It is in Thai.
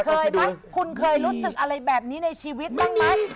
คุณเคยรู้สึกอะไรแบบนี้ในชีวิตบ้างไหม